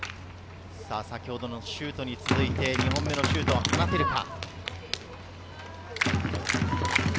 先ほどのシュートに続いて２本目のシュートを放てるか。